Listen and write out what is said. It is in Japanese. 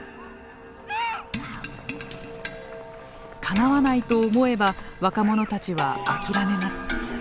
かなわないと思えば若者たちは諦めます。